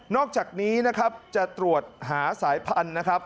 อกจากนี้นะครับจะตรวจหาสายพันธุ์นะครับ